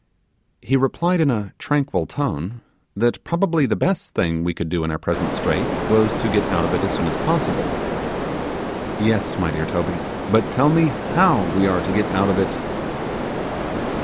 He replied in a tranquil tone, that probably the best thing we could do in our present strait was to get out of it as soon as possible. 'Yes, my dear Toby, but tell me how we are to get out of it.